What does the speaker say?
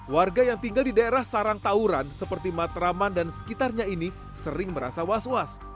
warga yang tinggal di daerah sarang tawuran seperti matraman dan sekitarnya ini sering merasa was was